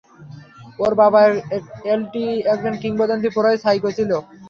ওর বাবা এলটি একজন কিংবদন্তী, পুরাই সাইকো ছিলো।